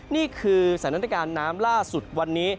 นี่คือสนานตรายการน้ำล่าสุดวันนี้